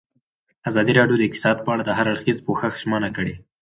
ازادي راډیو د اقتصاد په اړه د هر اړخیز پوښښ ژمنه کړې.